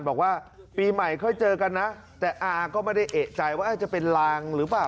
บอกว่าปีใหม่ค่อยเจอกันนะแต่อาก็ไม่ได้เอกใจว่าจะเป็นลางหรือเปล่า